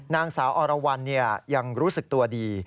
นางสาวอรวรรณยังรู้สึกตัวดี